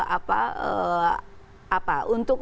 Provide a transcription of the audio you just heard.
apa untuk program penyelenggaraan